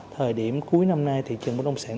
thời điểm cuối năm nay thị trường bất động sản